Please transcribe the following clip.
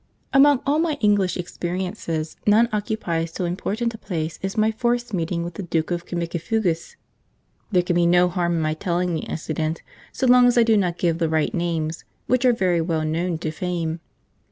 Among all my English experiences, none occupies so important a place as my forced meeting with the Duke of Cimicifugas. (There can be no harm in my telling the incident, so long as I do not give the right names, which are very well known to fame.)